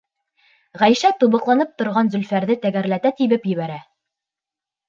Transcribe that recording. Ғәйшә тубыҡланып торған Зөлфәрҙе тәгәрләтә тибеп ебәрә.